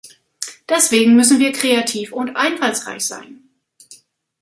Deswegen müssen wir kreativ und einfallsreich sein.